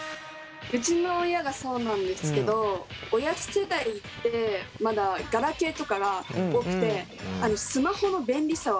うちの親がそうなんですけど親世代ってまだガラケーとかが多くてあそうだね。